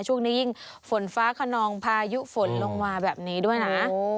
ช่วงนี้ยิ่งฝนฟ้าขนองพายุฝนลงมาแบบนี้ด้วยนะ